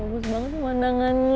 pokoknya bagus banget pemandangannya